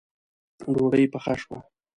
ډوډۍ پخه شوه